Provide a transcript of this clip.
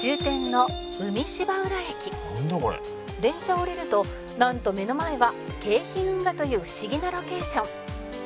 「なんだ？これ」「電車を降りるとなんと目の前は京浜運河という不思議なロケーション」